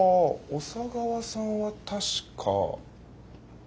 小佐川さんは確か。